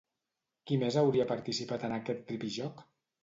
Qui més hauria participat en aquest tripijoc?